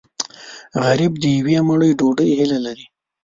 غریب د یوې مړۍ ډوډۍ هیله لري